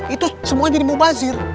itu semuanya jadi mubazir